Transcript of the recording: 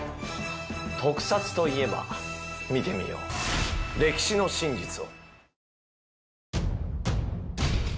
特撮といえば見てみよう歴史の真実を。